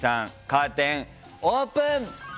カーテンオープン。